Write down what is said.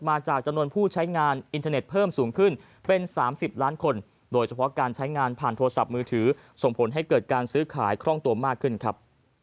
มาจากจำนวนผู้ใช้งานอินเทอร์เน็ตเพิ่มสูงขึ้นเป็น๓๐ล้านคนโดยเฉพาะการใช้งานผ่านโทรศัพท์มือถือส่งผลให้เกิดการซื้อขายคล่องตัวมากขึ้นครับ